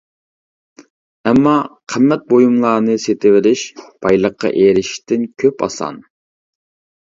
ئەمما، قىممەت بۇيۇملارنى سېتىۋېلىش بايلىققا ئېرىشىشتىن كۆپ ئاسان.